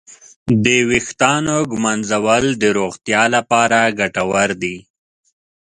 د ویښتانو ږمنځول د روغتیا لپاره ګټور دي.